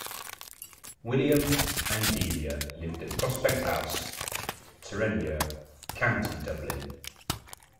William and Delia lived at Prospect House, Terenure, County Dublin.